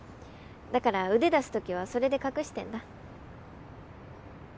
だから腕出す時はそれで隠してるんだ。